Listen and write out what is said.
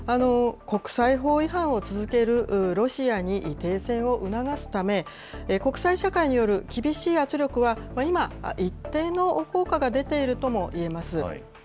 国際法違反を続けるロシアに停戦を促すため、国際社会による厳しい圧力は今、一定の効果が出ているともいえます。